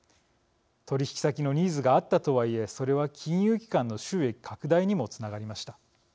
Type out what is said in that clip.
取引先のニーズがあったとはいえそれは金融機関の収益拡大にもつながりました。